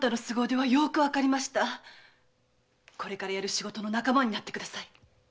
これからやる仕事の仲間になってください。